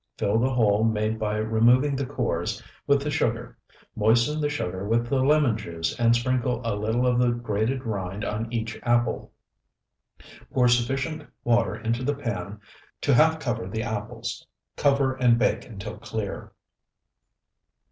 Fill the hole made by removing the cores, with the sugar; moisten the sugar with the lemon juice and sprinkle a little of the grated rind on each apple. Pour sufficient water into the pan to half cover the apples. Cover and bake until clear.